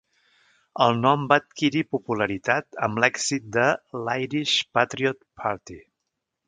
El nom va adquirir popularitat amb l'èxit de l'Irish Patriot Party.